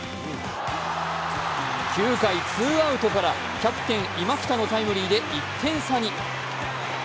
９回ツーアウトからキャプテン今北のタイムリーで１点差に。